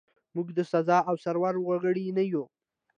موږ د ساز او سرور وګړي نه یوو.